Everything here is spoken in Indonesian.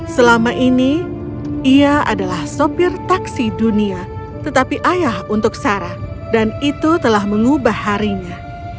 selama ini ia adalah sopir taksi dunia tetapi ayah untuk sarah dan itu telah mengubah harinya